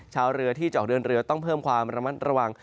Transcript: ชาวเรือที่จะออกเดินเรือต้องเพิ่มความระมัดระวัง